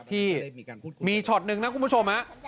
ที่มีช็อตนึงนะคุณผู้ชม